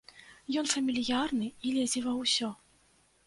Ён фамільярны і лезе ва ўсё.